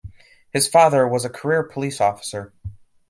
His father was a career police officer.